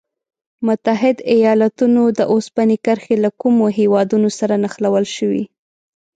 متحد ایلاتونو د اوسپنې کرښې له کومو هېوادونو سره نښلول شوي؟